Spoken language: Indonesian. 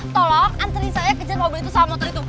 tolong antri saya ke jalan mobil itu sama motor itu